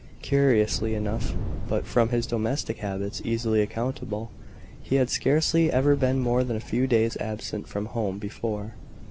Curiously enough, but from his domestic habits easily accountable, he had scarcely ever been more than a few days absent from home before.